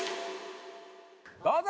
どうぞ！